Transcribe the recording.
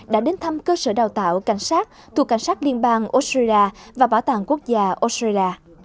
đã đến thăm cơ sở đào tạo cảnh sát thuộc cảnh sát liên bang australia và bảo tàng quốc gia australia